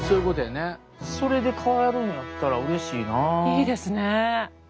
いいですね！